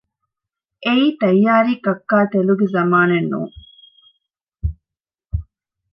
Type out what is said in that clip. އެއީ ތައްޔާރީ ކައްކާތެލުގެ ޒަމާނެއް ނޫން